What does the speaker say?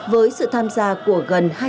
với sự tham gia của gần